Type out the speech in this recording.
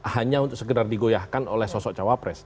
hanya untuk sekedar digoyahkan oleh sosok cawapres